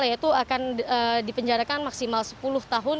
yaitu akan dipenjarakan maksimal sepuluh tahun